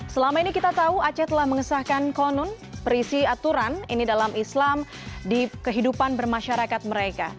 selama ini kita tahu aceh telah mengesahkan konun berisi aturan ini dalam islam di kehidupan bermasyarakat mereka